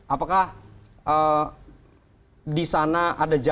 apakah di sana ada jalan